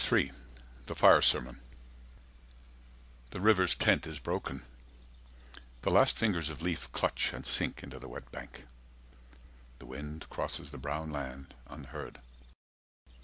III. THE FIRE SERMON The river's tent is broken: the last fingers of leaf Clutch and sink into the wet bank. The wind Crosses the brown land, unheard.